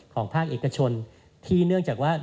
ภาคเอกชนที่เนื่องจากว่า